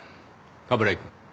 冠城くん。